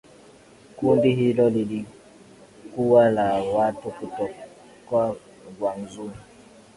kundi hilo lilikuwa la watu kutoka guangzhou